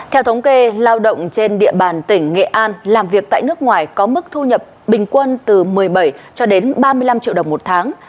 theo thống kê lao động trên địa bàn tỉnh nghệ an làm việc tại nước ngoài có mức thu nhập bình quân từ một mươi bảy cho đến ba mươi năm triệu đồng một tháng